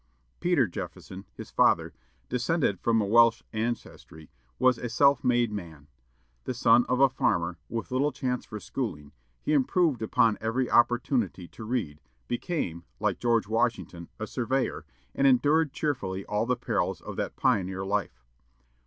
Peter Jefferson, his father, descended from a Welsh ancestry, was a self made man. The son of a farmer, with little chance for schooling, he improved every opportunity to read, became, like George Washington, a surveyor, and endured cheerfully all the perils of that pioneer life.